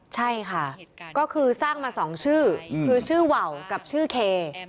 ใช่ค่ะก็คือสร้างมา๒ชื่อคือชื่อว่าวกับชื่อเค